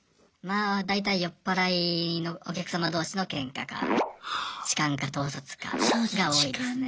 あ大体酔っ払いのお客様どうしのケンカか痴漢か盗撮かが多いですね。